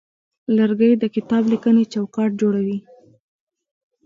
لرګی د کتابلیکنې چوکاټ جوړوي.